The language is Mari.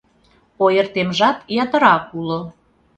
Ойыртемжат ятырак уло.